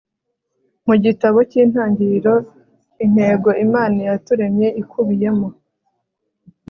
Mu gitabo cyIntangiriro intego Imana yaturemye ikubiyemo